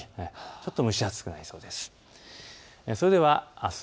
ちょっと蒸し暑くなりそうです。